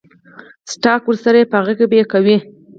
سټاک ورسره وي پۀ هغې به يې کوي ـ